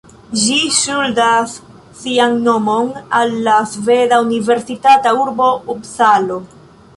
Ĝi ŝuldas sian nomon al la sveda universitata urbo Upsalo.